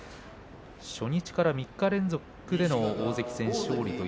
初日から３日連続での大関戦勝利。